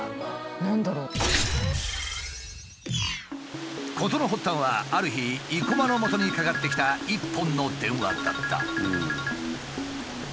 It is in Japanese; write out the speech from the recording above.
何だろう？事の発端はある日生駒のもとにかかってきた一本の電話だった。